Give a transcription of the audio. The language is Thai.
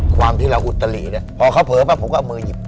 ความที่เราอุตลิเนี่ยพอเขาเผลอปั๊บผมก็เอามือหยิบ